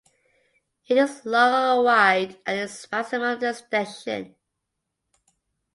It is long and wide at its maximum extension.